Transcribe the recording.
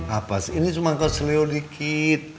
apa sih ini cuma kau seliau dikit